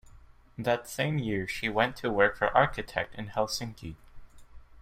That same year she went to work for architect in Helsinki.